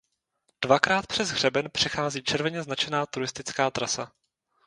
Dvakrát přes hřeben přechází červeně značená turistická trasa.